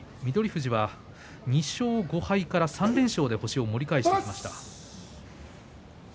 翠富士は２勝５敗から３連勝で星を盛り返してきました。